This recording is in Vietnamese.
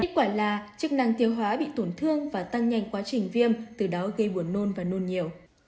kết quả là chức năng tiêu hóa bị tổn thương và tăng nhanh quá trình viêm từ đó gây buồn nôn và nôn nhiều